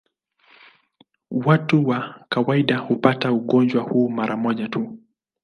Watu kwa kawaida hupata ugonjwa huu mara moja tu.